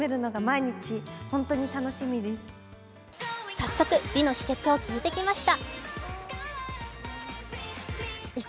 早速、美の秘けつを聞いてきました。